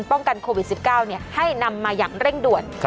ป้องกันโควิด๑๙ให้นำมาอย่างเร่งด่วน